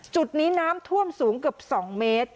จุดนี้น้ำท่วมสูงเกือบ๒เมตร